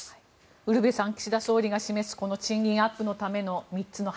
ウルヴェさん岸田総理が示す賃金アップのためのこの３つの柱。